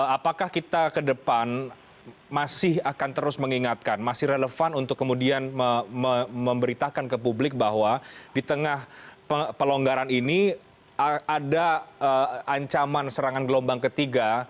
apakah kita ke depan masih akan terus mengingatkan masih relevan untuk kemudian memberitakan ke publik bahwa di tengah pelonggaran ini ada ancaman serangan gelombang ketiga